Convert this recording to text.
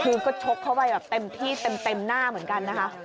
คือก็ชกเข้าไปแบบเต็มที่เต็มหน้าเหมือนกันนะคะ